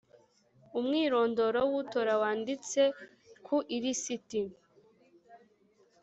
umwirondoro w utora wanditse ku ilisiti